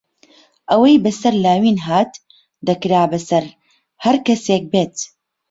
ئەوەی بەسەر لاوین هات، دەکرا بەسەر هەر کەسێک بێت.